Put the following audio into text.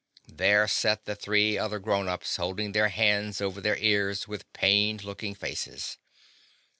There set the three other grown ups, holdin' their hands over their ears, with plined lookin' faces.